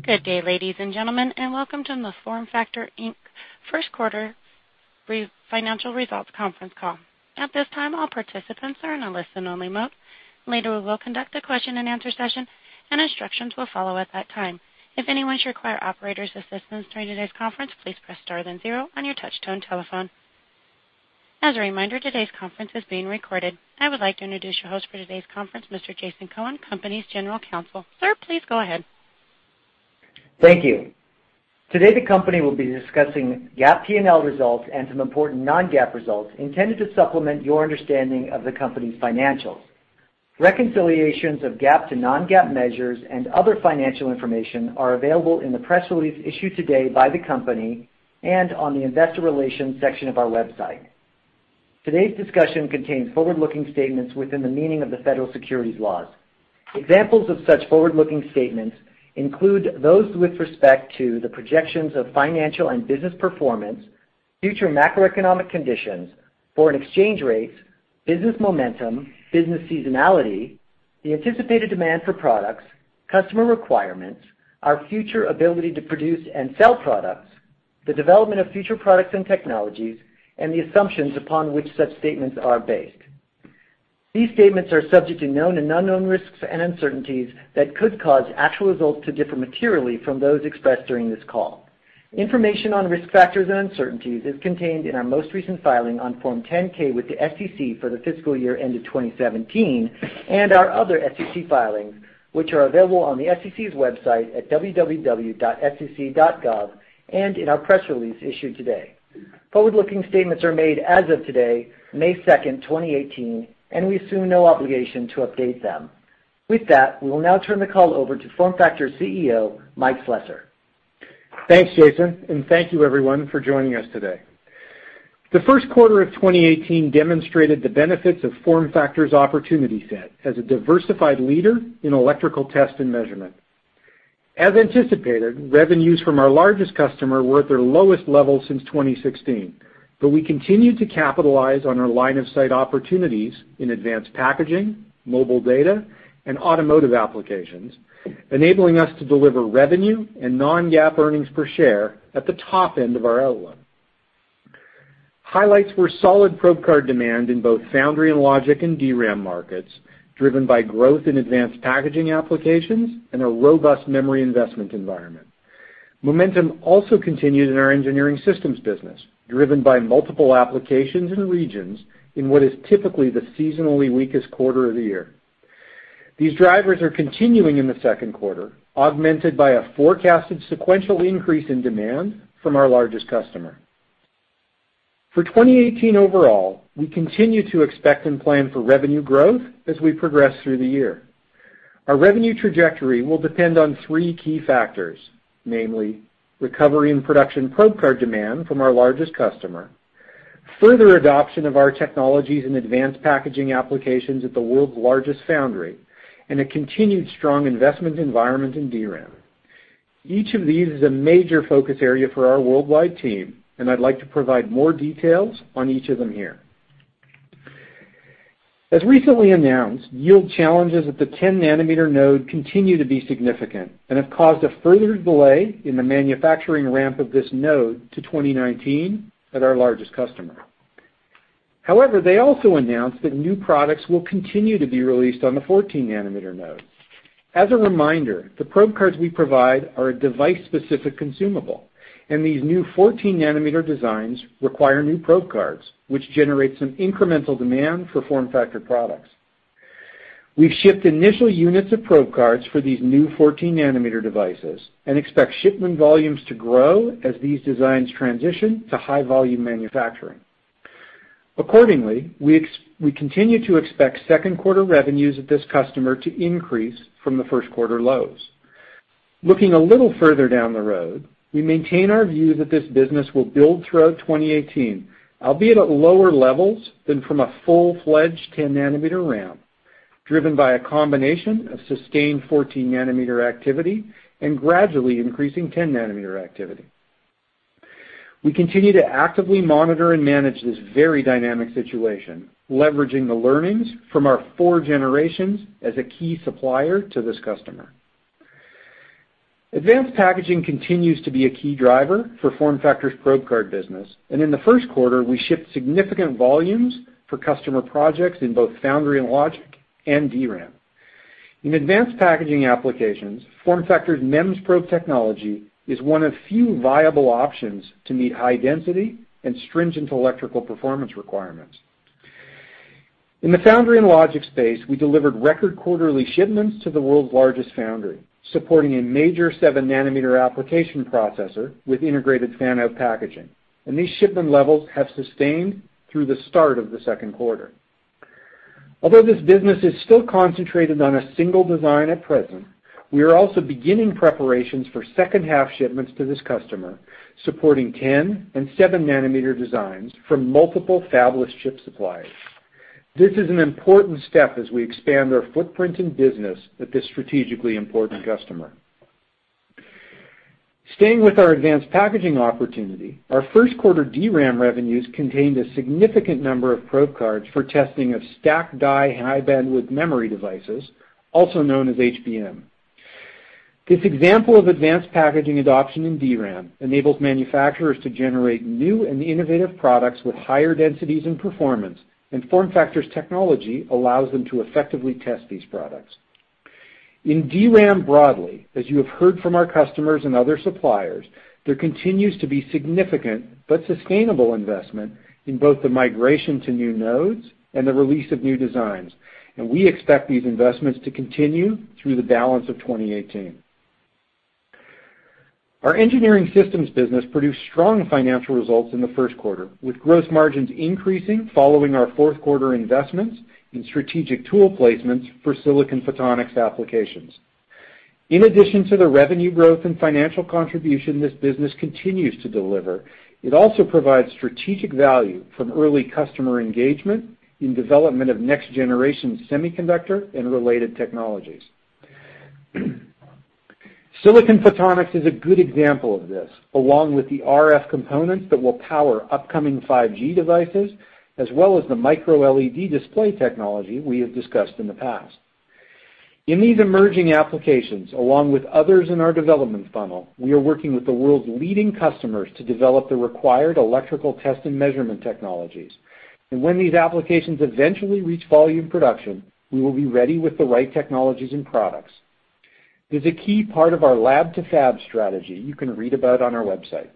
Good day, ladies and gentlemen, and welcome to the FormFactor Inc. first quarter financial results conference call. At this time, all participants are in a listen-only mode. Later, we will conduct a question and answer session, and instructions will follow at that time. If anyone should require operator's assistance during today's conference, please press star then zero on your touch-tone telephone. As a reminder, today's conference is being recorded. I would like to introduce your host for today's conference, Mr. Jason Cohen, company's general counsel. Sir, please go ahead. Thank you. Today, the company will be discussing GAAP P&L results and some important non-GAAP results intended to supplement your understanding of the company's financials. Reconciliations of GAAP to non-GAAP measures and other financial information are available in the press release issued today by the company and on the investor relations section of our website. Today's discussion contains forward-looking statements within the meaning of the federal securities laws. Examples of such forward-looking statements include those with respect to the projections of financial and business performance, future macroeconomic conditions, foreign exchange rates, business momentum, business seasonality, the anticipated demand for products, customer requirements, our future ability to produce and sell products, the development of future products and technologies, the assumptions upon which such statements are based. These statements are subject to known and unknown risks and uncertainties that could cause actual results to differ materially from those expressed during this call. Information on risk factors and uncertainties is contained in our most recent filing on Form 10-K with the SEC for the fiscal year ended 2017, our other SEC filings, which are available on the SEC's website at www.sec.gov and in our press release issued today. Forward-looking statements are made as of today, May 2nd, 2018, we assume no obligation to update them. With that, we will now turn the call over to FormFactor CEO, Mike Slessor. Thanks, Jason, thank you, everyone, for joining us today. The first quarter of 2018 demonstrated the benefits of FormFactor's opportunity set as a diversified leader in electrical test and measurement. As anticipated, revenues from our largest customer were at their lowest level since 2016. We continued to capitalize on our line of sight opportunities in advanced packaging, mobile data, and automotive applications, enabling us to deliver revenue and non-GAAP earnings per share at the top end of our outlook. Highlights were solid probe card demand in both foundry and logic and DRAM markets, driven by growth in advanced packaging applications a robust memory investment environment. Momentum also continued in our engineering systems business, driven by multiple applications and regions in what is typically the seasonally weakest quarter of the year. These drivers are continuing in the second quarter, augmented by a forecasted sequential increase in demand from our largest customer. For 2018 overall, we continue to expect and plan for revenue growth as we progress through the year. Our revenue trajectory will depend on three key factors, namely, recovery and production probe card demand from our largest customer, further adoption of our technologies in advanced packaging applications at the world's largest foundry, and a continued strong investment environment in DRAM. Each of these is a major focus area for our worldwide team, and I'd like to provide more details on each of them here. As recently announced, yield challenges at the 10 nanometer node continue to be significant and have caused a further delay in the manufacturing ramp of this node to 2019 at our largest customer. They also announced that new products will continue to be released on the 14 nanometer node. As a reminder, the probe cards we provide are a device-specific consumable, and these new 14 nanometer designs require new probe cards, which generates some incremental demand for FormFactor products. We've shipped initial units of probe cards for these new 14 nanometer devices and expect shipment volumes to grow as these designs transition to high volume manufacturing. Accordingly, we continue to expect second quarter revenues of this customer to increase from the first quarter lows. Looking a little further down the road, we maintain our view that this business will build throughout 2018, albeit at lower levels than from a full-fledged 10 nanometer ramp, driven by a combination of sustained 14 nanometer activity and gradually increasing 10 nanometer activity. We continue to actively monitor and manage this very dynamic situation, leveraging the learnings from our 4 generations as a key supplier to this customer. Advanced packaging continues to be a key driver for FormFactor's probe card business, and in the first quarter, we shipped significant volumes for customer projects in both foundry and logic and DRAM. In advanced packaging applications, FormFactor's MEMS probe technology is one of few viable options to meet high density and stringent electrical performance requirements. In the foundry and logic space, we delivered record quarterly shipments to the world's largest foundry, supporting a major seven nanometer application processor with integrated fan-out packaging, and these shipment levels have sustained through the start of the second quarter. Although this business is still concentrated on a single design at present, we are also beginning preparations for second half shipments to this customer, supporting 10 and seven nanometer designs from multiple fabless chip suppliers. This is an important step as we expand our footprint and business with this strategically important customer. Staying with our advanced packaging opportunity, our first quarter DRAM revenues contained a significant number of probe cards for testing of stacked die high bandwidth memory devices, also known as HBM. This example of advanced packaging adoption in DRAM enables manufacturers to generate new and innovative products with higher densities and performance, and FormFactor's technology allows them to effectively test these products. In DRAM broadly, as you have heard from our customers and other suppliers, there continues to be significant but sustainable investment in both the migration to new nodes and the release of new designs. We expect these investments to continue through the balance of 2018. Our engineering systems business produced strong financial results in the first quarter, with gross margins increasing following our fourth quarter investments in strategic tool placements for silicon photonics applications. In addition to the revenue growth and financial contribution this business continues to deliver, it also provides strategic value from early customer engagement in development of next generation semiconductor and related technologies. Silicon photonics is a good example of this, along with the RF components that will power upcoming 5G devices, as well as the microLED display technology we have discussed in the past. In these emerging applications, along with others in our development funnel, we are working with the world's leading customers to develop the required electrical test and measurement technologies. When these applications eventually reach volume production, we will be ready with the right technologies and products. It is a key part of our Lab to Fab strategy you can read about on our website.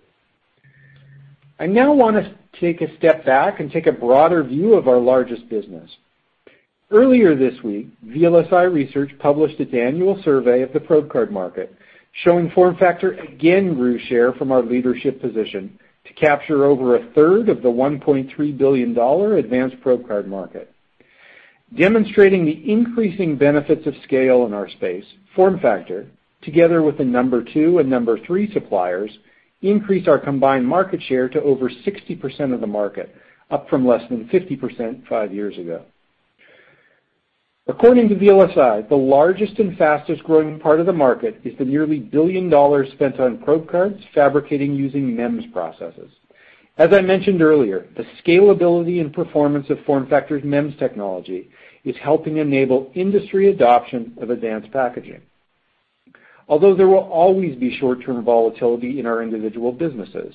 I now want us take a step back and take a broader view of our largest business. Earlier this week, VLSI Research published its annual survey of the probe card market, showing FormFactor again grew share from our leadership position to capture over a third of the $1.3 billion advanced probe card market. Demonstrating the increasing benefits of scale in our space, FormFactor, together with the number 2 and number 3 suppliers, increased our combined market share to over 60% of the market, up from less than 50% five years ago. According to VLSI, the largest and fastest-growing part of the market is the nearly $1 billion spent on probe cards fabricating using MEMS processes. As I mentioned earlier, the scalability and performance of FormFactor's MEMS technology is helping enable industry adoption of advanced packaging. Although there will always be short-term volatility in our individual businesses,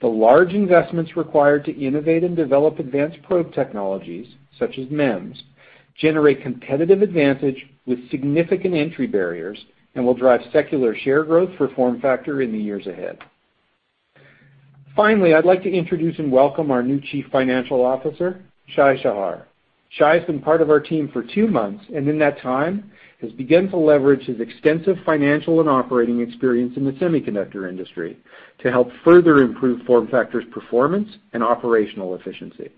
the large investments required to innovate and develop advanced probe technologies such as MEMS generate competitive advantage with significant entry barriers and will drive secular share growth for FormFactor in the years ahead. Finally, I'd like to introduce and welcome our new Chief Financial Officer, Shai Shahar. Shai's been part of our team for two months. In that time has begun to leverage his extensive financial and operating experience in the semiconductor industry to help further improve FormFactor's performance and operational efficiency.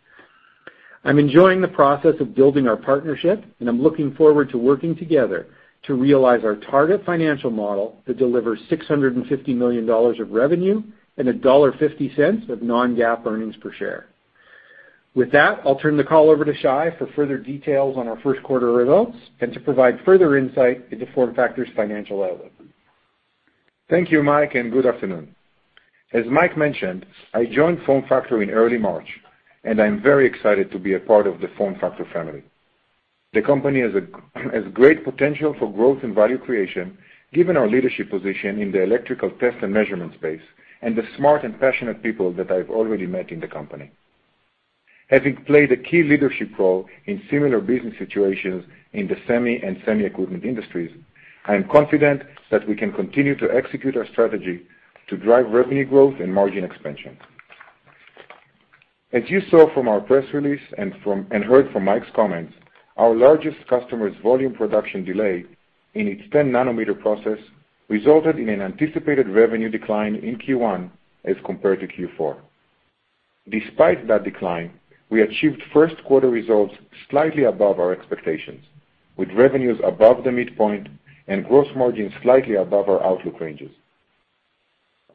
I'm enjoying the process of building our partnership. I'm looking forward to working together to realize our target financial model that delivers $650 million of revenue and $1.50 of non-GAAP earnings per share. With that, I'll turn the call over to Shai for further details on our first quarter results and to provide further insight into FormFactor's financial outlook. Thank you, Mike. Good afternoon. As Mike mentioned, I joined FormFactor in early March. I'm very excited to be a part of the FormFactor family. The company has great potential for growth and value creation given our leadership position in the electrical test and measurement space and the smart and passionate people that I've already met in the company. Having played a key leadership role in similar business situations in the semi and semi equipment industries, I am confident that we can continue to execute our strategy to drive revenue growth and margin expansion. As you saw from our press release and heard from Mike's comments, our largest customer's volume production delay in its 10-nanometer process resulted in an anticipated revenue decline in Q1 as compared to Q4. Despite that decline, we achieved first quarter results slightly above our expectations, with revenues above the midpoint and gross margin slightly above our outlook ranges.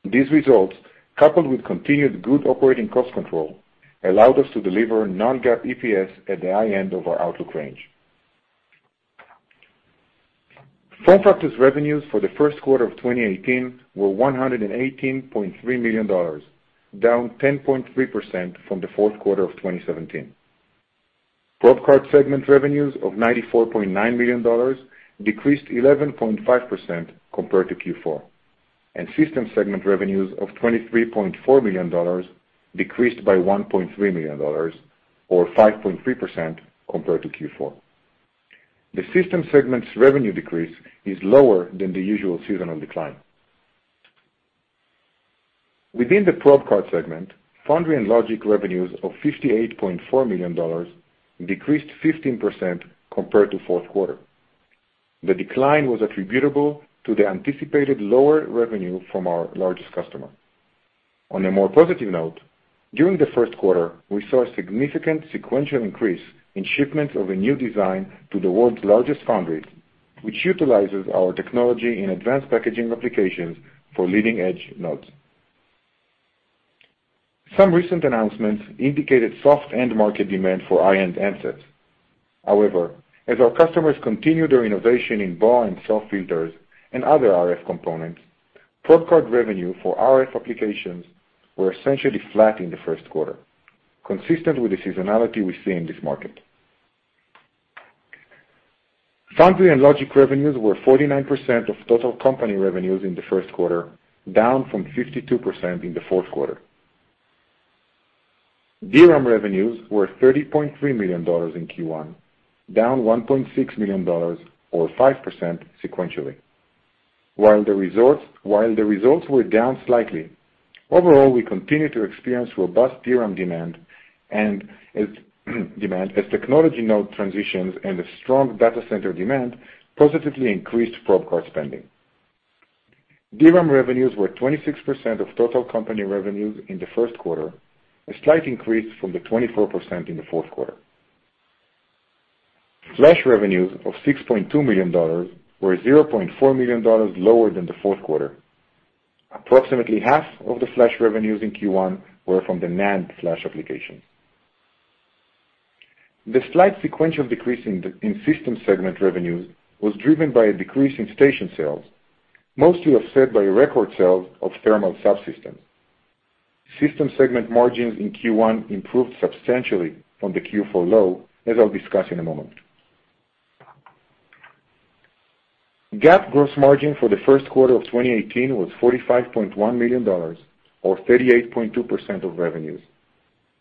These results, coupled with continued good operating cost control, allowed us to deliver non-GAAP EPS at the high end of our outlook range. FormFactor's revenues for the first quarter of 2018 were $118.3 million, down 10.3% from the fourth quarter of 2017. Probe card segment revenues of $94.9 million decreased 11.5% compared to Q4. Systems segment revenues of $23.4 million decreased by $1.3 million or 5.3% compared to Q4. The systems segment's revenue decrease is lower than the usual seasonal decline. Within the probe card segment, foundry and logic revenues of $58.4 million decreased 15% compared to fourth quarter. The decline was attributable to the anticipated lower revenue from our largest customer. On a more positive note, during the first quarter, we saw a significant sequential increase in shipments of a new design to the world's largest foundry, which utilizes our technology in advanced packaging applications for leading-edge nodes. Some recent announcements indicated soft end-market demand for high-end handsets. However, as our customers continue their innovation in BAW and SAW filters and other RF components, probe card revenue for RF applications were essentially flat in the first quarter, consistent with the seasonality we see in this market. Foundry and logic revenues were 49% of total company revenues in the first quarter, down from 52% in the fourth quarter. DRAM revenues were $30.3 million in Q1, down $1.6 million or 5% sequentially. While the results were down slightly, overall, we continue to experience robust DRAM demand as technology node transitions and a strong data center demand positively increased probe card spending. DRAM revenues were 26% of total company revenues in the first quarter, a slight increase from the 24% in the fourth quarter. Flash revenues of $6.2 million were $0.4 million lower than the fourth quarter. Approximately half of the flash revenues in Q1 were from the NAND flash application. The slight sequential decrease in system segment revenues was driven by a decrease in station sales, mostly offset by record sales of thermal subsystems. System segment margins in Q1 improved substantially from the Q4 low, as I'll discuss in a moment. GAAP gross margin for the first quarter of 2018 was $45.1 million or 38.2% of revenues,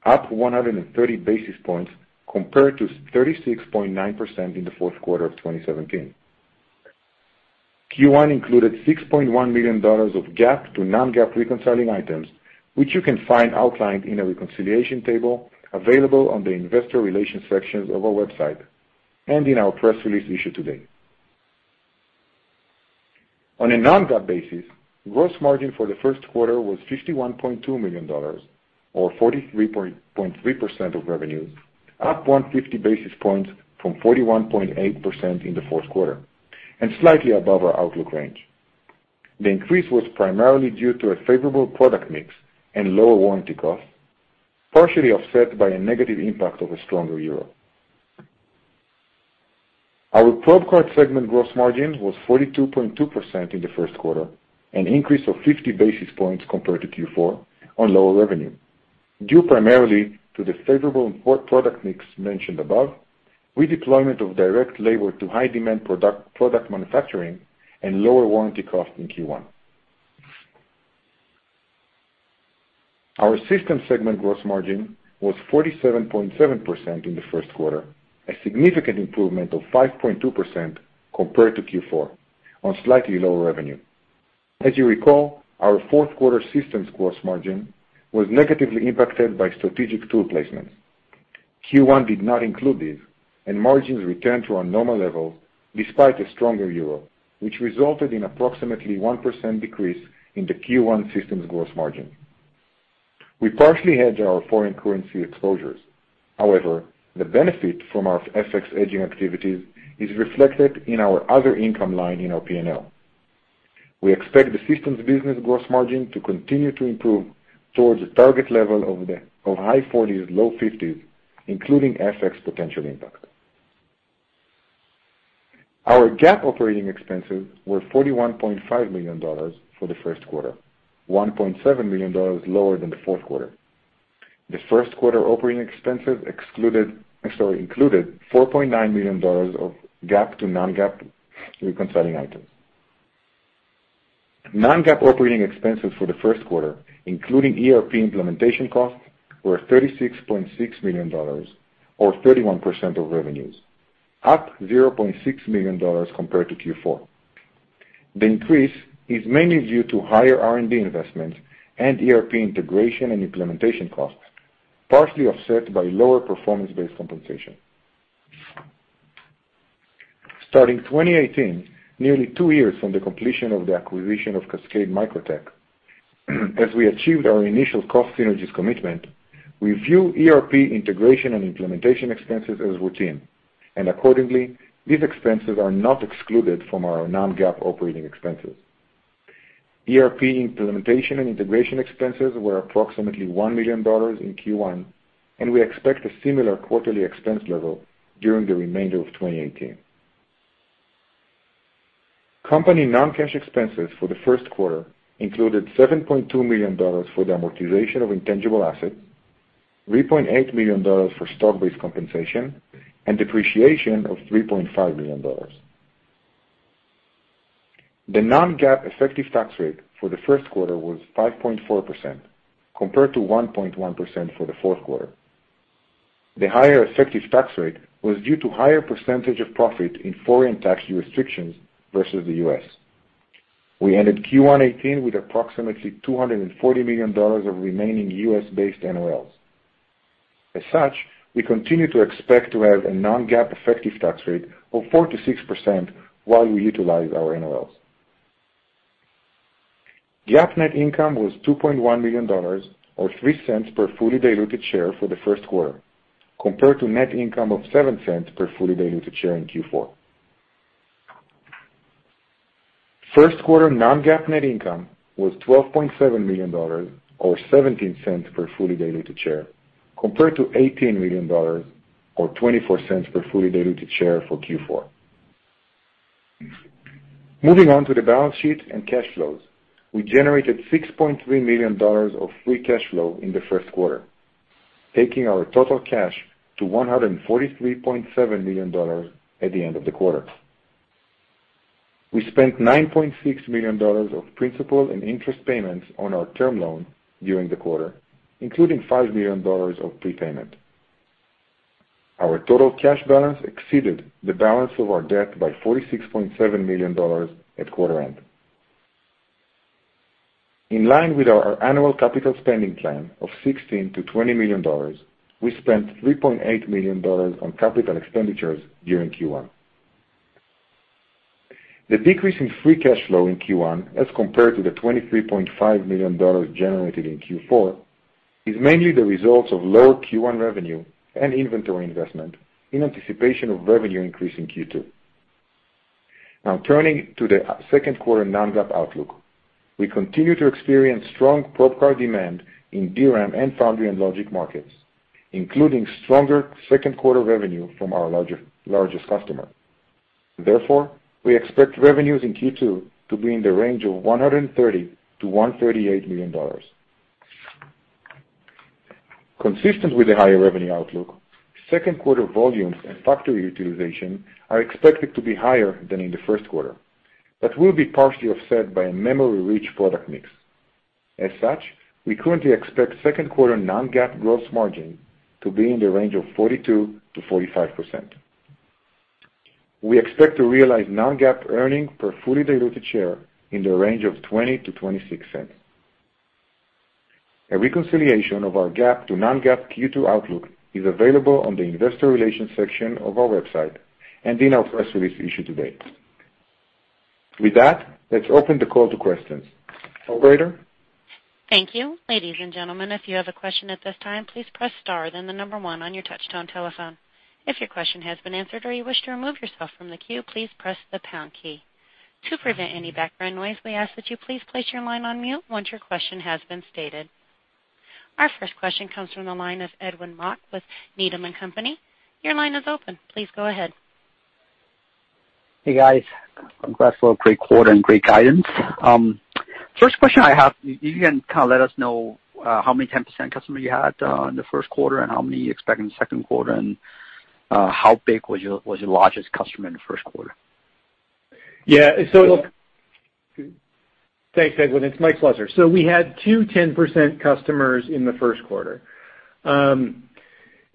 up 130 basis points compared to 36.9% in the fourth quarter of 2017. Q1 included $6.1 million of GAAP to non-GAAP reconciling items, which you can find outlined in a reconciliation table available on the investor relations section of our website, and in our press release issued today. On a non-GAAP basis, gross margin for the first quarter was $51.2 million or 43.3% of revenues, up 150 basis points from 41.8% in the fourth quarter, and slightly above our outlook range. The increase was primarily due to a favorable product mix and lower warranty costs, partially offset by a negative impact of a stronger Euro. Our probe card segment gross margin was 42.2% in the first quarter, an increase of 50 basis points compared to Q4 on lower revenue, due primarily to the favorable product mix mentioned above, redeployment of direct labor to high-demand product manufacturing, and lower warranty cost in Q1. Our system segment gross margin was 47.7% in the first quarter, a significant improvement of 5.2% compared to Q4 on slightly lower revenue. As you recall, our fourth quarter systems gross margin was negatively impacted by strategic tool placements. Q1 did not include this, and margins returned to a normal level despite a stronger Euro, which resulted in approximately 1% decrease in the Q1 systems gross margin. We partially hedge our foreign currency exposures. However, the benefit from our FX hedging activities is reflected in our other income line in our P&L. We expect the systems business gross margin to continue to improve towards a target level of high 40s, low 50s, including FX potential impact. Our GAAP operating expenses were $41.5 million for the first quarter, $1.7 million lower than the fourth quarter. The first quarter operating expenses included $4.9 million of GAAP to non-GAAP reconciling items. non-GAAP operating expenses for the first quarter, including ERP implementation costs, were $36.6 million or 31% of revenues, up $0.6 million compared to Q4. The increase is mainly due to higher R&D investments and ERP integration and implementation costs, partially offset by lower performance-based compensation. Starting 2018, nearly two years from the completion of the acquisition of Cascade Microtech, as we achieved our initial cost synergies commitment, we view ERP integration and implementation expenses as routine. Accordingly, these expenses are not excluded from our non-GAAP operating expenses. ERP implementation and integration expenses were approximately $1 million in Q1, and we expect a similar quarterly expense level during the remainder of 2018. Company non-cash expenses for the first quarter included $7.2 million for the amortization of intangible assets, $3.8 million for stock-based compensation, and depreciation of $3.5 million. The non-GAAP effective tax rate for the first quarter was 5.4% compared to 1.1% for the fourth quarter. The higher effective tax rate was due to higher percentage of profit in foreign tax jurisdictions versus the U.S. We ended Q1 2018 with approximately $240 million of remaining U.S.-based NOLs. As such, we continue to expect to have a non-GAAP effective tax rate of 4%-6% while we utilize our NOLs. GAAP net income was $2.1 million or $0.03 per fully diluted share for the first quarter, compared to net income of $0.07 per fully diluted share in Q4. First quarter non-GAAP net income was $12.7 million, or $0.17 per fully diluted share, compared to $18 million or $0.24 per fully diluted share for Q4. Moving on to the balance sheet and cash flows. We generated $6.3 million of free cash flow in the first quarter, taking our total cash to $143.7 million at the end of the quarter. We spent $9.6 million of principal and interest payments on our term loan during the quarter, including $5 million of prepayment. Our total cash balance exceeded the balance of our debt by $46.7 million at quarter end. In line with our annual capital spending plan of $16 million-$20 million, we spent $3.8 million on capital expenditures during Q1. The decrease in free cash flow in Q1, as compared to the $23.5 million generated in Q4, is mainly the result of low Q1 revenue and inventory investment in anticipation of revenue increase in Q2. Turning to the second quarter non-GAAP outlook. We continue to experience strong probe card demand in DRAM and foundry and logic markets, including stronger second quarter revenue from our largest customer. We expect revenues in Q2 to be in the range of $130 million-$138 million. Consistent with the higher revenue outlook, second quarter volumes and factory utilization are expected to be higher than in the first quarter, but will be partially offset by a memory-rich product mix. We currently expect second quarter non-GAAP gross margin to be in the range of 42%-45%. We expect to realize non-GAAP earnings per fully diluted share in the range of $0.20-$0.26. A reconciliation of our GAAP to non-GAAP Q2 outlook is available on the investor relations section of our website and in our press release issued today. With that, let's open the call to questions. Operator? Thank you. Ladies and gentlemen, if you have a question at this time, please press star then the number one on your touchtone telephone. If your question has been answered or you wish to remove yourself from the queue, please press the pound key. To prevent any background noise, we ask that you please place your line on mute once your question has been stated. Our first question comes from the line of Edwin Mok with Needham & Company. Your line is open. Please go ahead. Hey, guys. Congratulations for the great quarter and great guidance. First question I have, if you can kind of let us know how many 10% customer you had in the first quarter and how many you expect in the second quarter, and how big was your largest customer in the first quarter? Yeah. Thanks, Edwin. It's Mike Slessor. We had two 10% customers in the first quarter.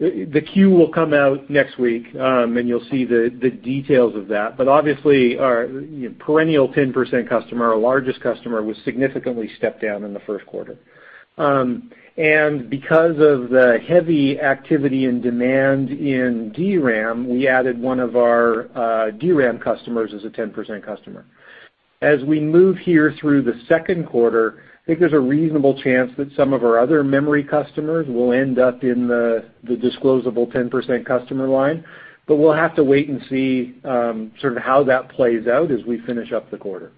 The queue will come out next week, and you'll see the details of that. Obviously, our perennial 10% customer, our largest customer, was significantly stepped down in the first quarter. Because of the heavy activity and demand in DRAM, we added one of our DRAM customers as a 10% customer. As we move here through the second quarter, I think there's a reasonable chance that some of our other memory customers will end up in the disclosable 10% customer line, but we'll have to wait and see sort of how that plays out as we finish up the quarter.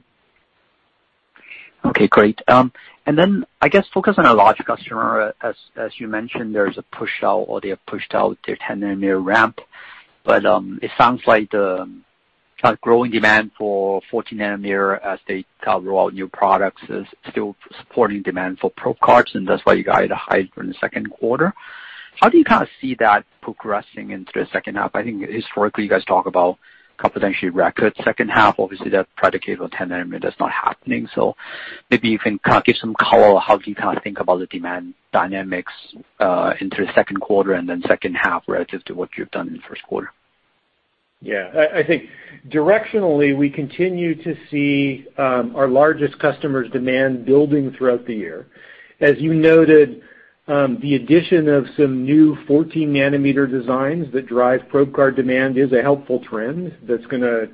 Okay, great. Then I guess focus on our large customer. As you mentioned, there's a push out or they have pushed out their 10 nanometer ramp, but it sounds like the kind of growing demand for 14 nanometer as they roll out new products is still supporting demand for probe cards, and that's why you guys are high for the second quarter. How do you kind of see that progressing into the second half? I think historically, you guys talk about potentially record second half. Obviously, that predicates on 10 nanometer is not happening. Maybe you can kind of give some color on how you kind of think about the demand dynamics into the second quarter and then second half relative to what you've done in the first quarter. Yeah. I think directionally, we continue to see our largest customer's demand building throughout the year. As you noted, the addition of some new 14 nanometer designs that drive probe card demand is a helpful trend that's gonna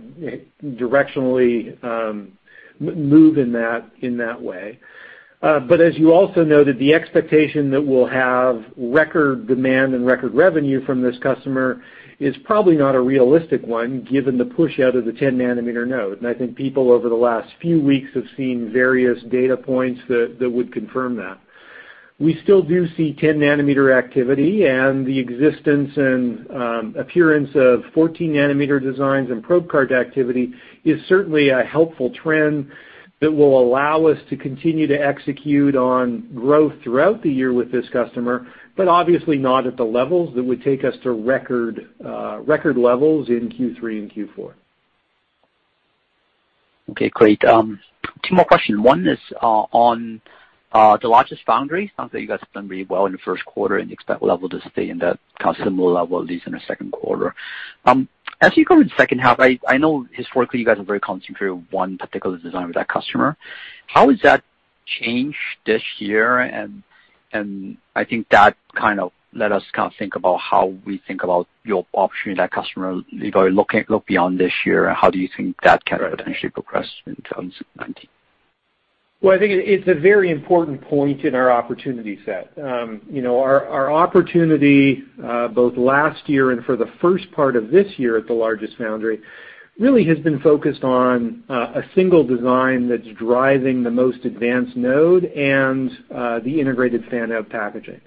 directionally move in that way. As you also noted, the expectation that we'll have record demand and record revenue from this customer is probably not a realistic one given the push out of the 10 nanometer node. I think people over the last few weeks have seen various data points that would confirm that. We still do see 10 nanometer activity and the existence and appearance of 14 nanometer designs and probe card activity is certainly a helpful trend that will allow us to continue to execute on growth throughout the year with this customer, but obviously not at the levels that would take us to record levels in Q3 and Q4. Okay, great. Two more questions. One is on the largest foundry. Sounds like you guys have done really well in the first quarter and you expect the level to stay in that kind of similar level, at least in the second quarter. As you go into the second half, I know historically you guys are very concentrated on one particular design with that customer. How has that changed this year? I think that kind of let us kind of think about how we think about your opportunity with that customer if we look beyond this year, and how do you think that can potentially progress in 2019? Well, I think it's a very important point in our opportunity set. Our opportunity, both last year and for the first part of this year at the largest foundry, really has been focused on a single design that's driving the most advanced node and the integrated fan-out packaging.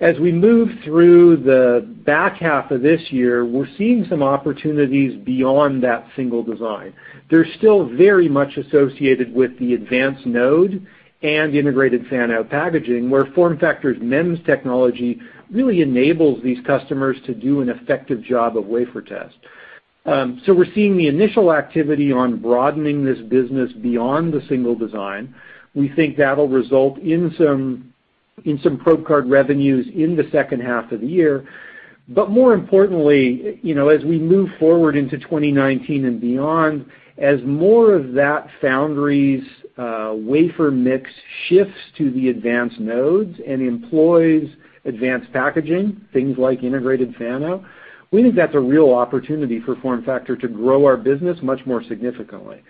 As we move through the back half of this year, we're seeing some opportunities beyond that single design. They're still very much associated with the advanced node and the integrated fan-out packaging, where FormFactor's MEMS technology really enables these customers to do an effective job of wafer test. We're seeing the initial activity on broadening this business beyond the single design. We think that'll result in some probe card revenues in the second half of the year. More importantly, as we move forward into 2019 and beyond, as more of that foundry's wafer mix shifts to the advanced nodes and employs advanced packaging, things like integrated fan-out, we think that's a real opportunity for FormFactor to grow our business much more significantly.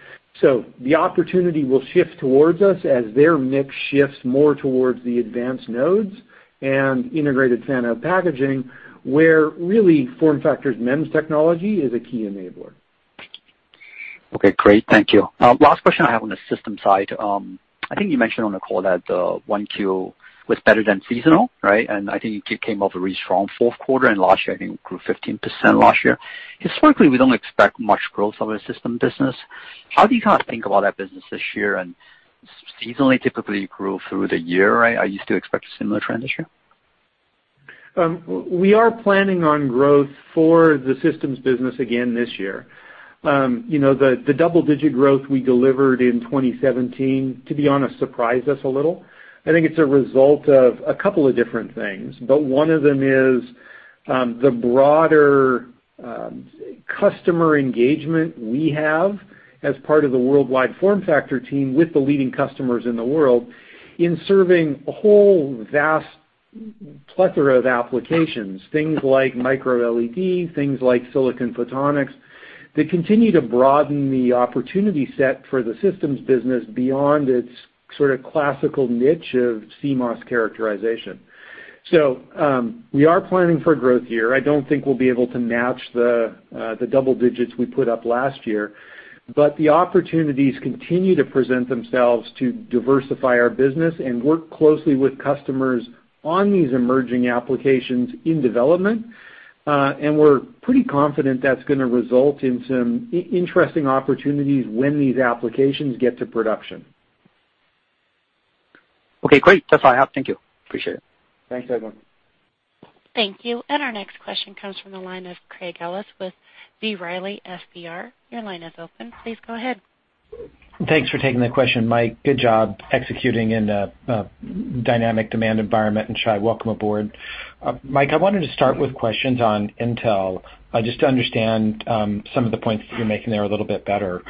The opportunity will shift towards us as their mix shifts more towards the advanced nodes and integrated fan-out packaging, where really FormFactor's MEMS technology is a key enabler. Okay, great. Thank you. Last question I have on the system side. I think you mentioned on the call that 1Q was better than seasonal, right? I think it came off a really strong fourth quarter, and last year, I think it grew 15% last year. Historically, we don't expect much growth on the system business. How do you kind of think about that business this year? Seasonally, typically, you grow through the year, right? Do you still expect a similar trend this year? We are planning on growth for the systems business again this year. The double-digit growth we delivered in 2017, to be honest, surprised us a little. I think it's a result of a couple of different things, but one of them is the broader customer engagement we have as part of the worldwide FormFactor team with the leading customers in the world in serving a whole vast plethora of applications, things like microLED, things like silicon photonics, that continue to broaden the opportunity set for the systems business beyond its sort of classical niche of CMOS characterization. We are planning for a growth year. I don't think we'll be able to match the double digits we put up last year, but the opportunities continue to present themselves to diversify our business and work closely with customers on these emerging applications in development. We're pretty confident that's going to result in some interesting opportunities when these applications get to production. Okay, great. That's all I have. Thank you. Appreciate it. Thanks, Edwin. Thank you. Our next question comes from the line of Craig Ellis with B. Riley FBR. Your line is open. Please go ahead. Thanks for taking the question, Mike. Good job executing in a dynamic demand environment. Shai, welcome aboard. Mike, I wanted to start with questions on Intel, just to understand some of the points that you're making there a little bit better.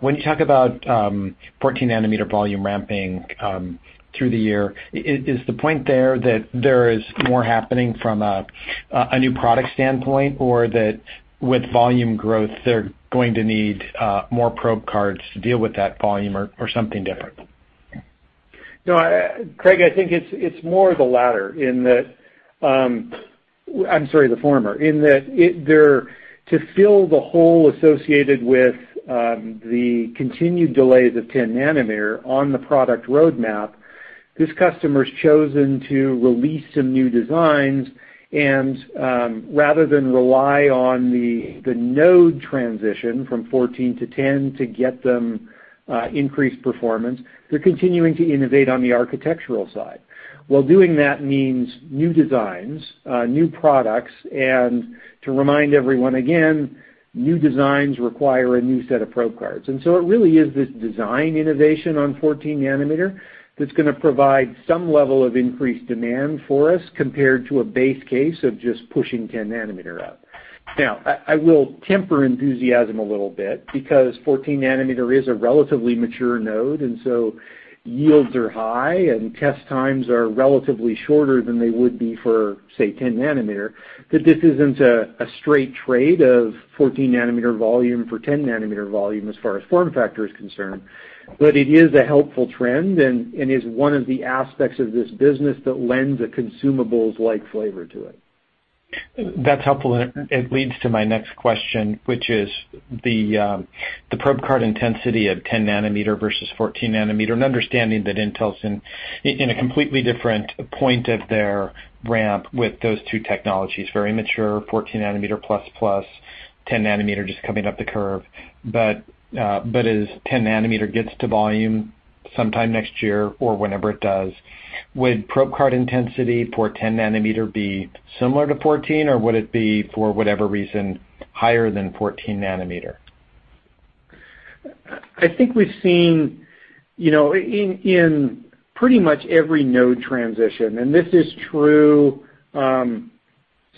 When you talk about 14 nanometer volume ramping through the year, is the point there that there is more happening from a new product standpoint, or that with volume growth, they're going to need more probe cards to deal with that volume, or something different? No, Craig, I think it's more of the latter in that, I'm sorry, the former, in that to fill the hole associated with the continued delays of 10 nanometer on the product roadmap, this customer's chosen to release some new designs, rather than rely on the node transition from 14 to 10 to get them increased performance, they're continuing to innovate on the architectural side. Well, doing that means new designs, new products, to remind everyone again, new designs require a new set of probe cards. It really is this design innovation on 14 nanometer that's going to provide some level of increased demand for us, compared to a base case of just pushing 10 nanometer out. Now, I will temper enthusiasm a little bit, because 14 nanometer is a relatively mature node, and so yields are high, and test times are relatively shorter than they would be for, say, 10 nanometer, that this isn't a straight trade of 14 nanometer volume for 10 nanometer volume as far as FormFactor is concerned. It is a helpful trend and is one of the aspects of this business that lends a consumables-like flavor to it. That's helpful. It leads to my next question, which is the probe card intensity of 10 nanometer versus 14 nanometer, and understanding that Intel's in a completely different point of their ramp with those two technologies, very mature, 14 nanometer plus, 10 nanometer just coming up the curve. As 10 nanometer gets to volume sometime next year or whenever it does, would probe card intensity for 10 nanometer be similar to 14, or would it be, for whatever reason, higher than 14 nanometer? I think we've seen in pretty much every node transition. This is true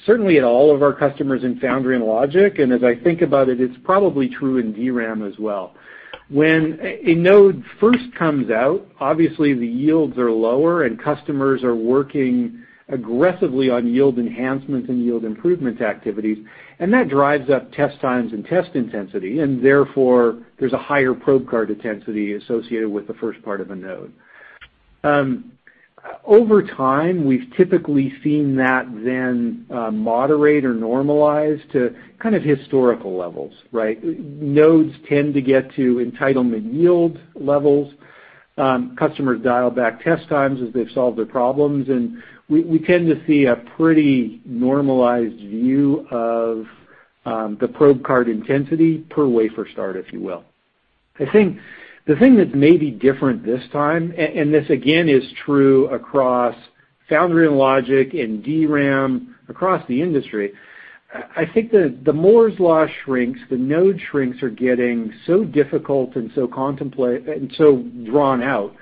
certainly at all of our customers in Foundry and Logic. As I think about it's probably true in DRAM as well. When a node first comes out, obviously the yields are lower. Customers are working aggressively on yield enhancements and yield improvement activities. That drives up test times and test intensity. Therefore there's a higher probe card intensity associated with the first part of a node. Over time, we've typically seen that then moderate or normalize to kind of historical levels, right? Nodes tend to get to entitlement yield levels. Customers dial back test times as they solve their problems. We tend to see a pretty normalized view of the probe card intensity per wafer start, if you will. I think the thing that may be different this time. This again is true across foundry and logic and DRAM, across the industry. I think the Moore's law shrinks, the node shrinks are getting so difficult and so drawn out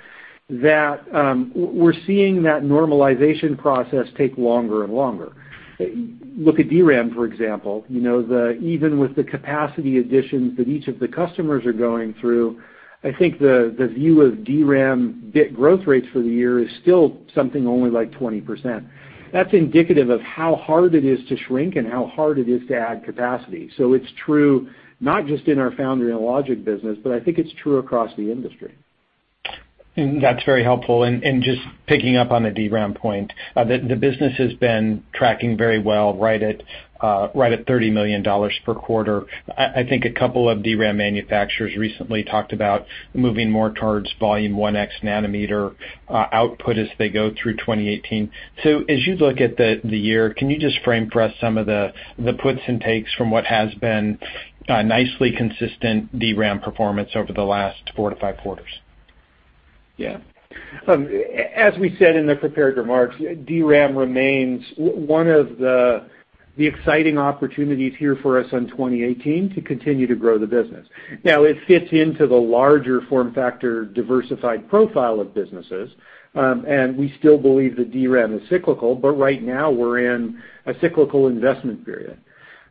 that we're seeing that normalization process take longer and longer. Look at DRAM, for example. Even with the capacity additions that each of the customers are going through, I think the view of DRAM bit growth rates for the year is still something only like 20%. That's indicative of how hard it is to shrink and how hard it is to add capacity. It's true, not just in our foundry and logic business, but I think it's true across the industry. That's very helpful. Just picking up on the DRAM point, the business has been tracking very well right at $30 million per quarter. I think a couple of DRAM manufacturers recently talked about moving more towards volume 1X nanometer output as they go through 2018. As you look at the year, can you just frame for us some of the puts and takes from what has been a nicely consistent DRAM performance over the last four to five quarters? As we said in the prepared remarks, DRAM remains one of the exciting opportunities here for us in 2018 to continue to grow the business. It fits into the larger FormFactor diversified profile of businesses, and we still believe that DRAM is cyclical, but right now we're in a cyclical investment period.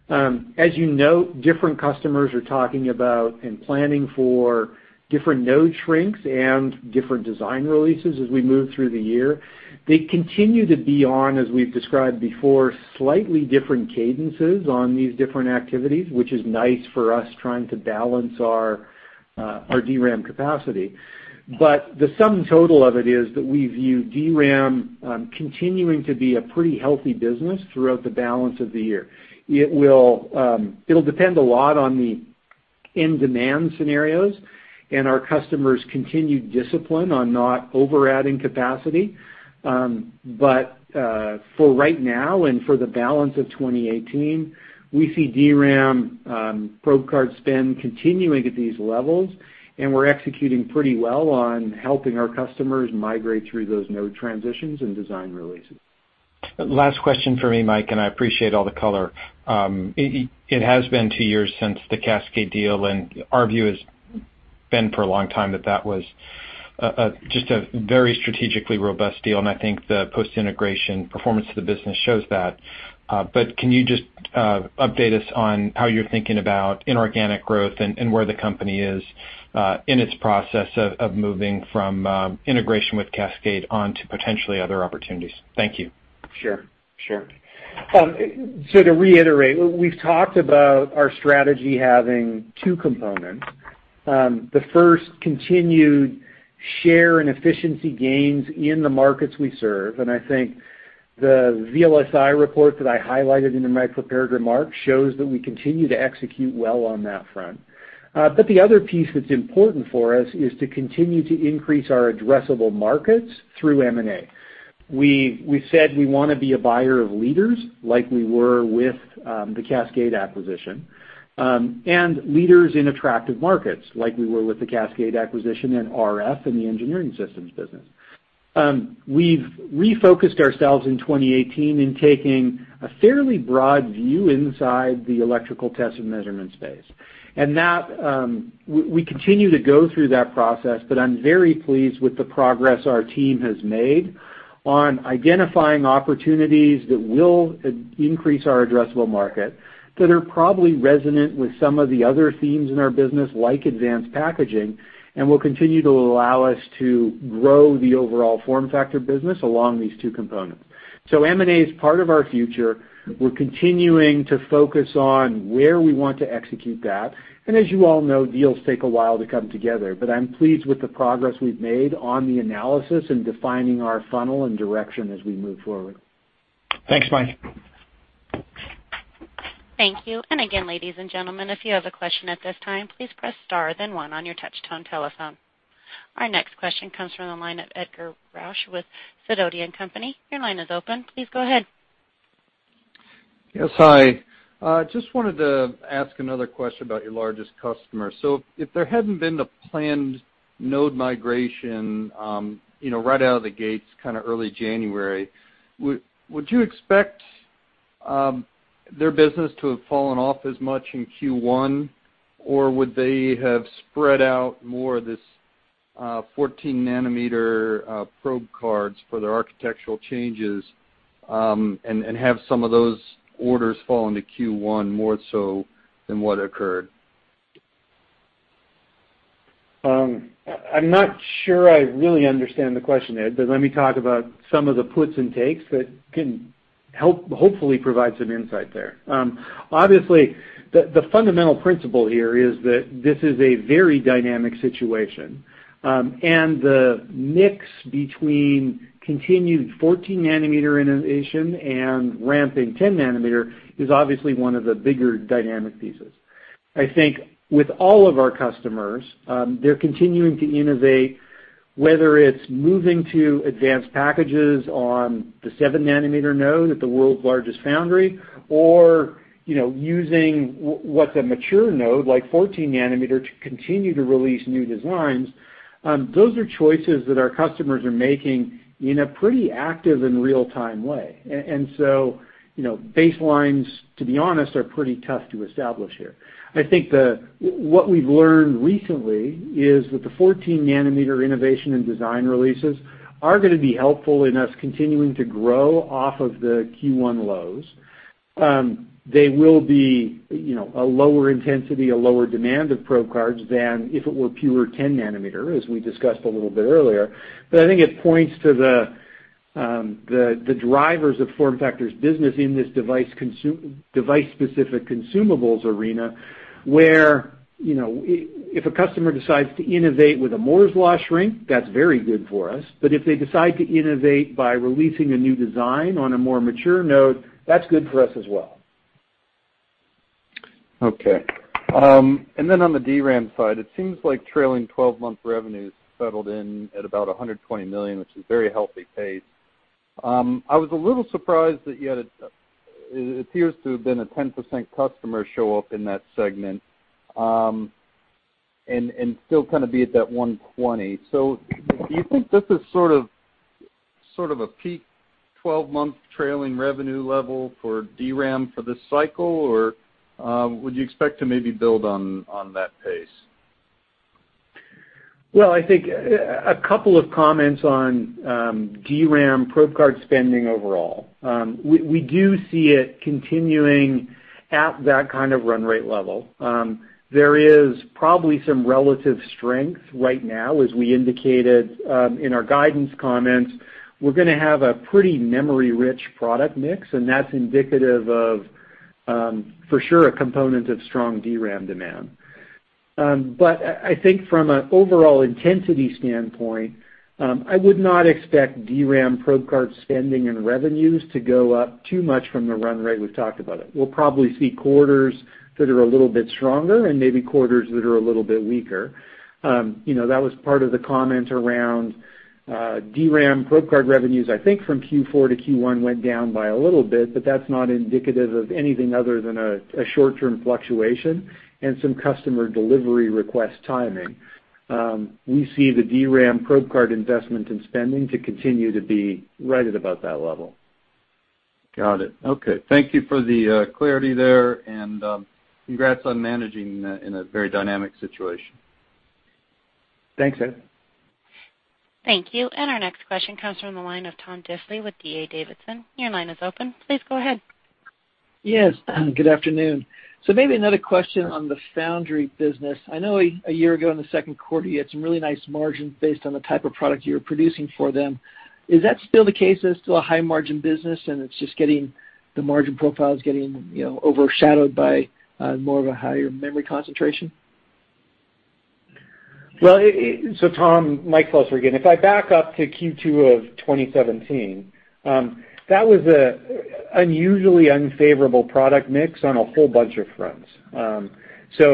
As you note, different customers are talking about and planning for different node shrinks and different design releases as we move through the year. They continue to be on, as we've described before, slightly different cadences on these different activities, which is nice for us trying to balance our DRAM capacity. The sum total of it is that we view DRAM continuing to be a pretty healthy business throughout the balance of the year. It'll depend a lot on the end-demand scenarios and our customers' continued discipline on not over-adding capacity. For right now and for the balance of 2018, we see DRAM probe card spend continuing at these levels, and we're executing pretty well on helping our customers migrate through those node transitions and design releases. Last question from me, Mike, and I appreciate all the color. It has been two years since the Cascade deal, and our view has been for a long time that that was just a very strategically robust deal, and I think the post-integration performance of the business shows that. Can you just update us on how you're thinking about inorganic growth and where the company is in its process of moving from integration with Cascade on to potentially other opportunities? Thank you. Sure. To reiterate, we've talked about our strategy having two components. The first, continued share and efficiency gains in the markets we serve, and I think the VLSI report that I highlighted in my prepared remarks shows that we continue to execute well on that front. The other piece that's important for us is to continue to increase our addressable markets through M&A. We said we want to be a buyer of leaders like we were with the Cascade acquisition, and leaders in attractive markets like we were with the Cascade acquisition and RF in the engineering systems business. We've refocused ourselves in 2018 in taking a fairly broad view inside the electrical test and measurement space. We continue to go through that process, I'm very pleased with the progress our team has made on identifying opportunities that will increase our addressable market, that are probably resonant with some of the other themes in our business, like advanced packaging, and will continue to allow us to grow the overall FormFactor business along these two components. M&A is part of our future. We're continuing to focus on where we want to execute that. As you all know, deals take a while to come together, but I'm pleased with the progress we've made on the analysis and defining our funnel and direction as we move forward. Thanks, Mike. Thank you. Again, ladies and gentlemen, if you have a question at this time, please press star then one on your touch-tone telephone. Our next question comes from the line of Edwin Roesch with Sidoti & Company. Your line is open. Please go ahead. Yes, hi. Just wanted to ask another question about your largest customer. If there hadn't been the planned node migration right out of the gates kind of early January, would you expect their business to have fallen off as much in Q1? Would they have spread out more of this 14 nanometer probe cards for their architectural changes, and have some of those orders fall into Q1 more so than what occurred? I'm not sure I really understand the question, Ed, but let me talk about some of the puts and takes that can help, hopefully provide some insight there. Obviously, the fundamental principle here is that this is a very dynamic situation. The mix between continued 14 nanometer innovation and ramping 10 nanometer is obviously one of the bigger dynamic pieces. I think with all of our customers, they're continuing to innovate, whether it's moving to advanced packages on the 7 nanometer node at the world's largest foundry or using what's a mature node, like 14 nanometer, to continue to release new designs. Those are choices that our customers are making in a pretty active and real-time way. Baselines, to be honest, are pretty tough to establish here. I think what we've learned recently is that the 14 nanometer innovation and design releases are going to be helpful in us continuing to grow off of the Q1 lows. They will be a lower intensity, a lower demand of probe cards than if it were pure 10 nanometer, as we discussed a little bit earlier. I think it points to the drivers of FormFactor's business in this device-specific consumables arena, where, if a customer decides to innovate with a Moore's law shrink, that's very good for us. If they decide to innovate by releasing a new design on a more mature node, that's good for us as well. Okay. On the DRAM side, it seems like trailing 12-month revenues settled in at about $120 million, which is a very healthy pace. I was a little surprised that you had, it appears to have been a 10% customer show up in that segment, and still kind of be at that $120. Do you think this is sort of a peak 12-month trailing revenue level for DRAM for this cycle, or would you expect to maybe build on that pace? Well, I think a couple of comments on DRAM probe card spending overall. We do see it continuing at that kind of run rate level. There is probably some relative strength right now, as we indicated in our guidance comments. We're going to have a pretty memory-rich product mix, and that's indicative of, for sure, a component of strong DRAM demand. I think from an overall intensity standpoint, I would not expect DRAM probe card spending and revenues to go up too much from the run rate we've talked about it. We'll probably see quarters that are a little bit stronger and maybe quarters that are a little bit weaker. That was part of the comment around DRAM probe card revenues, I think, from Q4 to Q1 went down by a little bit. That's not indicative of anything other than a short-term fluctuation and some customer delivery request timing. We see the DRAM probe card investment and spending to continue to be right at about that level. Got it. Okay. Thank you for the clarity there. Congrats on managing in a very dynamic situation. Thanks, Ed. Thank you. Our next question comes from the line of Tom Diffely with D.A. Davidson. Your line is open. Please go ahead. Yes. Good afternoon. Maybe another question on the foundry business. I know a year ago in the second quarter, you had some really nice margins based on the type of product you were producing for them. Is that still the case? Is it still a high-margin business, and it's just the margin profile is getting overshadowed by more of a higher memory concentration? Well, Tom, Mike Slessor again. If I back up to Q2 of 2017, that was a unusually unfavorable product mix on a whole bunch of fronts. There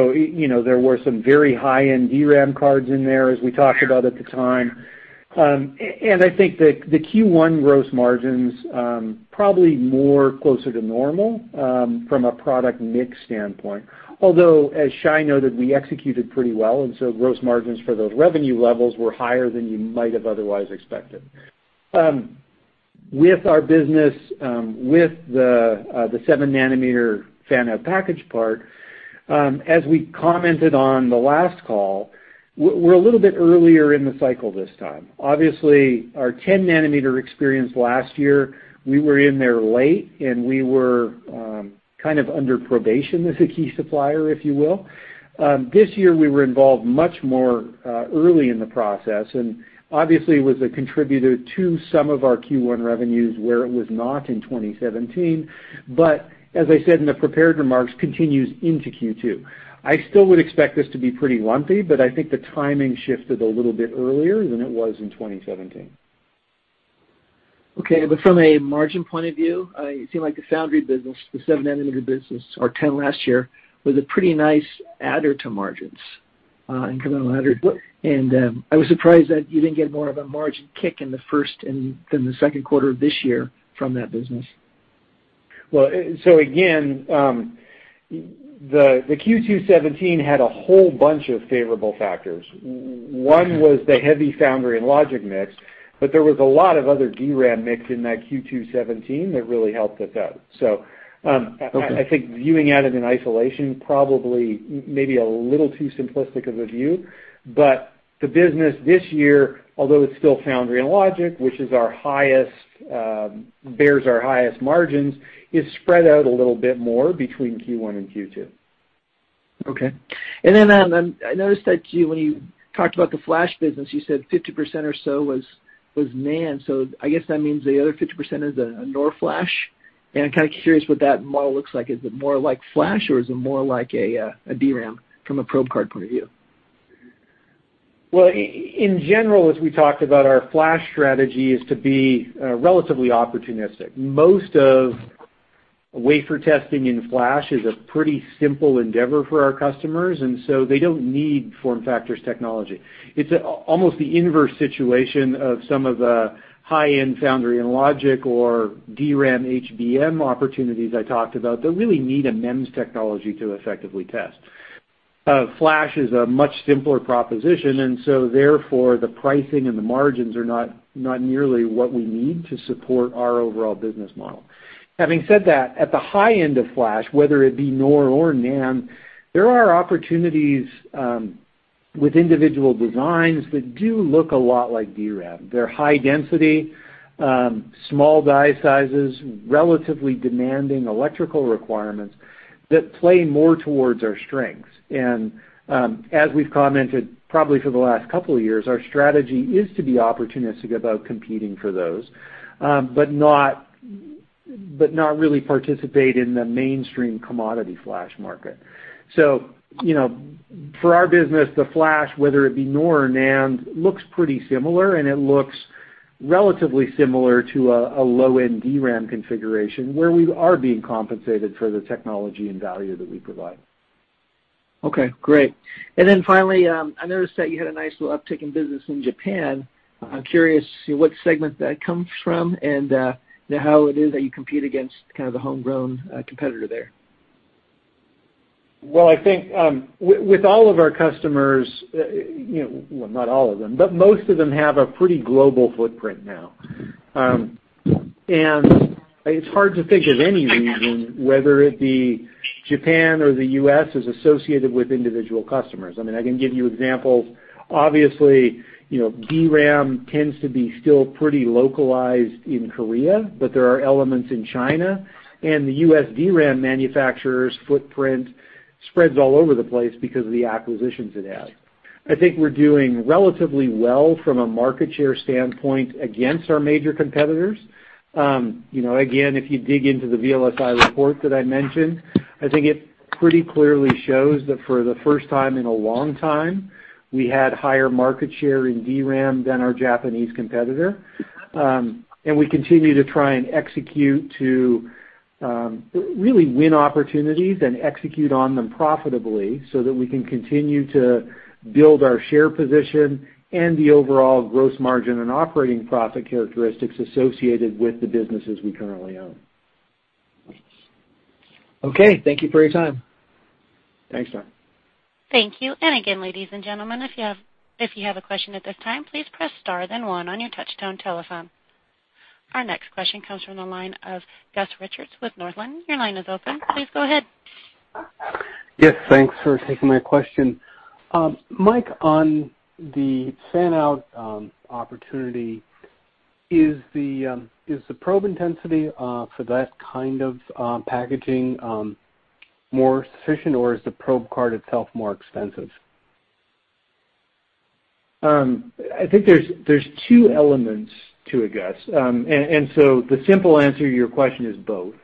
were some very high-end DRAM cards in there, as we talked about at the time. I think the Q1 gross margins probably more closer to normal from a product mix standpoint. Although, as Shai noted, we executed pretty well, gross margins for those revenue levels were higher than you might have otherwise expected. With our business, with the 7-nanometer fan-out package part, as we commented on the last call, we're a little bit earlier in the cycle this time. Obviously, our 10-nanometer experience last year, we were in there late, and we were kind of under probation as a key supplier, if you will. This year, we were involved much more early in the process, obviously, it was a contributor to some of our Q1 revenues where it was not in 2017. As I said in the prepared remarks, continues into Q2. I still would expect this to be pretty lumpy, I think the timing shifted a little bit earlier than it was in 2017. Okay. From a margin point of view, it seemed like the foundry business, the 7-nanometer business, or 10 last year, was a pretty nice adder to margins in calendar. I was surprised that you didn't get more of a margin kick in the first and the second quarter of this year from that business. Well, again, the Q2 2017 had a whole bunch of favorable factors. One was the heavy foundry and logic mix, but there was a lot of other DRAM mix in that Q2 2017 that really helped us out. Okay I think viewing at it in isolation, probably maybe a little too simplistic of a view. The business this year, although it's still foundry and logic, which bears our highest margins, is spread out a little bit more between Q1 and Q2. I noticed that when you talked about the flash business, you said 50% or so was NAND. I guess that means the other 50% is a NOR flash. I'm kind of curious what that model looks like. Is it more like flash or is it more like a DRAM from a probe card point of view? In general, as we talked about, our flash strategy is to be relatively opportunistic. Most of wafer testing in flash is a pretty simple endeavor for our customers, they don't need FormFactor's technology. It's almost the inverse situation of some of the high-end foundry and logic or DRAM HBM opportunities I talked about, that really need a MEMS technology to effectively test. Flash is a much simpler proposition, therefore, the pricing and the margins are not nearly what we need to support our overall business model. Having said that, at the high end of flash, whether it be NOR or NAND, there are opportunities with individual designs that do look a lot like DRAM. They're high density, small die sizes, relatively demanding electrical requirements that play more towards our strengths. As we've commented probably for the last couple of years, our strategy is to be opportunistic about competing for those, but not really participate in the mainstream commodity flash market. For our business, the flash, whether it be NOR or NAND, looks pretty similar, and it looks relatively similar to a low-end DRAM configuration where we are being compensated for the technology and value that we provide. Okay, great. Finally, I noticed that you had a nice little uptick in business in Japan. I'm curious what segment that comes from and how it is that you compete against the homegrown competitor there. Well, I think with all of our customers, well, not all of them, but most of them have a pretty global footprint now. It's hard to think of any region, whether it be Japan or the U.S., as associated with individual customers. I can give you examples. Obviously, DRAM tends to be still pretty localized in Korea, but there are elements in China. The U.S. DRAM manufacturer's footprint spreads all over the place because of the acquisitions it has. I think we're doing relatively well from a market share standpoint against our major competitors. Again, if you dig into the VLSI report that I mentioned, I think it pretty clearly shows that for the first time in a long time, we had higher market share in DRAM than our Japanese competitor. We continue to try and execute to really win opportunities and execute on them profitably so that we can continue to build our share position and the overall gross margin and operating profit characteristics associated with the businesses we currently own. Okay. Thank you for your time. Thanks, Tom. Thank you. Again, ladies and gentlemen, if you have a question at this time, please press star then one on your touchtone telephone. Our next question comes from the line of Gus Richard with Northland. Your line is open. Please go ahead. Thanks for taking my question. Mike, on the fan-out opportunity, is the probe intensity for that kind of packaging more sufficient, or is the probe card itself more expensive? I think there's two elements to it, Gus. The simple answer to your question is both.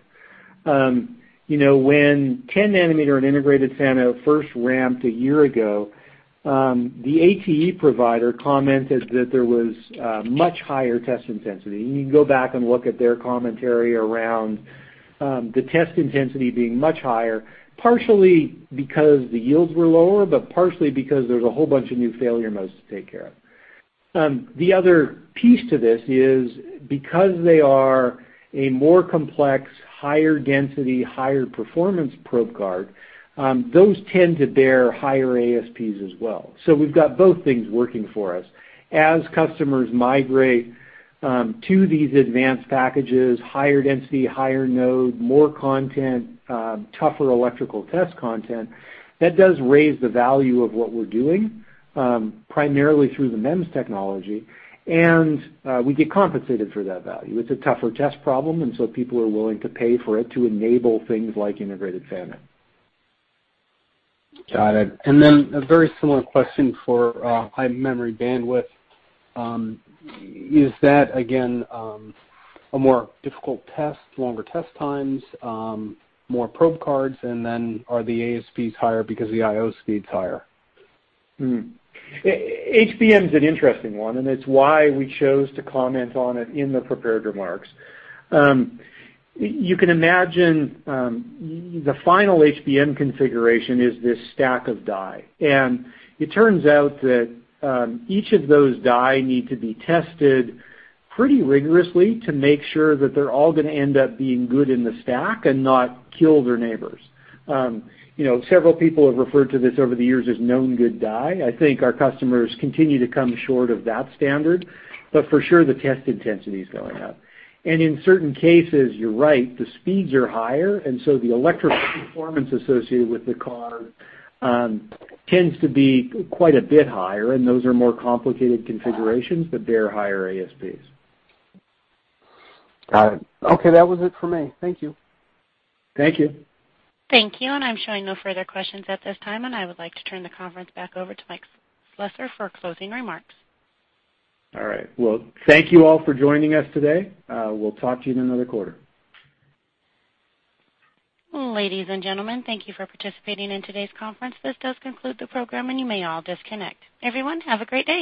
When 10 nanometer and integrated fan-out first ramped a year ago, the ATE provider commented that there was a much higher test intensity. You can go back and look at their commentary around the test intensity being much higher, partially because the yields were lower, but partially because there's a whole bunch of new failure modes to take care of. The other piece to this is because they are a more complex, higher density, higher performance probe card, those tend to bear higher ASPs as well. We've got both things working for us. As customers migrate to these advanced packages, higher density, higher node, more content, tougher electrical test content, that does raise the value of what we're doing, primarily through the MEMS technology. We get compensated for that value. It's a tougher test problem, people are willing to pay for it to enable things like integrated fan-out. Got it. A very similar question for high memory bandwidth. Is that, again, a more difficult test, longer test times, more probe cards, are the ASPs higher because the I/O speed's higher? HBM's an interesting one, it's why we chose to comment on it in the prepared remarks. You can imagine the final HBM configuration is this stack of die, it turns out that each of those die need to be tested pretty rigorously to make sure that they're all going to end up being good in the stack and not kill their neighbors. Several people have referred to this over the years as known good die. I think our customers continue to come short of that standard, but for sure, the test intensity's going up. In certain cases, you're right, the speeds are higher, the electrical performance associated with the card tends to be quite a bit higher, those are more complicated configurations, but they're higher ASPs. Got it. Okay, that was it for me. Thank you. Thank you. Thank you. I'm showing no further questions at this time, I would like to turn the conference back over to Mike Slessor for closing remarks. All right. Well, thank you all for joining us today. We'll talk to you in another quarter. Ladies and gentlemen, thank you for participating in today's conference. This does conclude the program, and you may all disconnect. Everyone, have a great day.